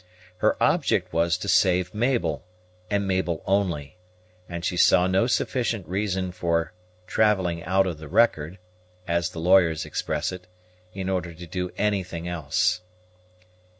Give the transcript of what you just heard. Her object was to save Mabel, and Mabel only; and she saw no sufficient reason for "travelling out of the record," as the lawyers express it, in order to do anything else.